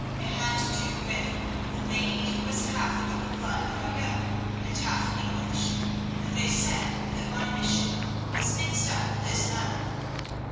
It had to do with a lady who was half of the blood of Ayoub and half English, and they said that my mission was mixed up with this matter.